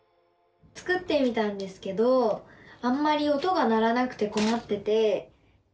作ってみたんですけどあんまり音が鳴らなくてこまってて。